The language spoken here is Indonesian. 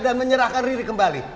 dan menyerahkan riri kembali